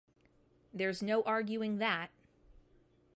There's no arguing that.